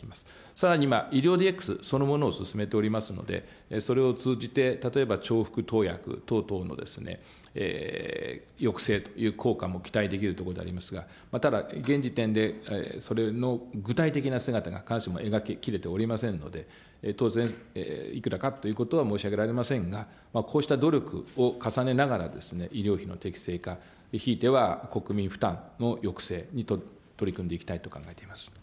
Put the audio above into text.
さらに今、医療ＤＸ、そのものを進めておりますので、それを通じて例えば重複投薬等々の抑制という効果も期待できるところでありますが、ただ現時点でそれの具体的な姿が必ずしも描ききれておりませんので、当然、いくらかということは申し上げられませんが、こうした努力を重ねながら、医療費の適正化、ひいては国民負担の抑制に取り組んでいきたいと考えております。